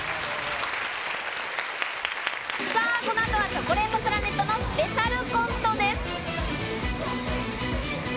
さあ、このあとは、チョコレートプラネットのスペシャルコントです。